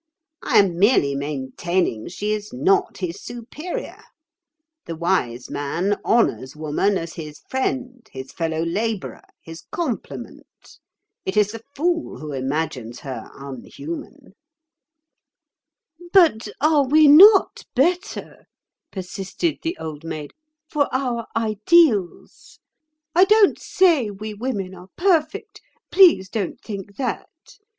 I am merely maintaining she is not his superior. The wise man honours woman as his friend, his fellow labourer, his complement. It is the fool who imagines her unhuman." [Picture: It is the fool who imagines her inhuman] "But are we not better," persisted the Old Maid, "for our ideals? I don't say we women are perfect—please don't think that.